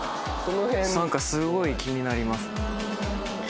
何かすごい気になります。